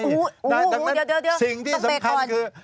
อูวเดี๋ยวต้องเปกก่อนตั้งแต่สิ่งที่สำคัญคือ